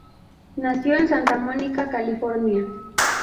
Nació en Santa Mónica, California.